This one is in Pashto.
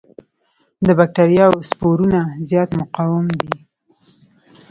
د بکټریاوو سپورونه زیات مقاوم دي.